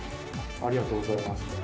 ありがとうございます。